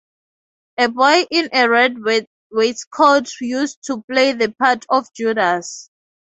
A boy in a red waistcoat used to play the part of Judas.